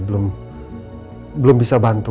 belum belum bisa bantu